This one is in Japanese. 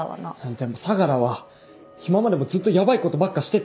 でも相楽は今までもずっとヤバいことばっかしてて。